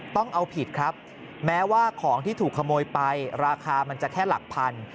ต้องเอาผิดครับแม้ว่าของที่ถูกขโมยไปราคามันจะแค่หลักพัน